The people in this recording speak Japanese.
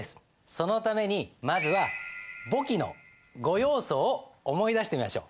そのためにまずは簿記の５要素を思い出してみましょう。